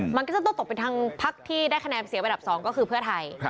มันก็จะต้องตกเป็นทางพักที่ได้คะแนนเสียระดับ๒ก็คือเพื่อไทย